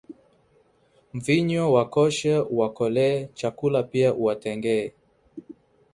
Mvinyo wakoshe uwakolee, chakula pia uwatengee